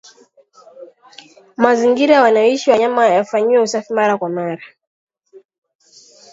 Mazingira wanayoishi wanyama yafanyiwe usafi mara kwa mara